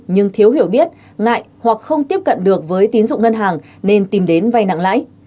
nhưng thiếu hiểu biết ngại hoặc không tiếp cận được với tín dụng ngân hàng nên tìm đến vay nặng lãi